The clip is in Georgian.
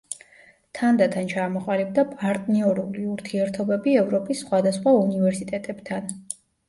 თანდათან ჩამოყალიბდა პარტნიორული ურთიერთობები ევროპის სხვადასხვა უნივერსიტეტებთან.